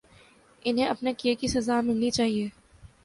انہیں اپنے کیے کی سزا ملنی چاہیے۔